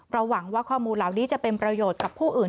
หวังว่าข้อมูลเหล่านี้จะเป็นประโยชน์กับผู้อื่น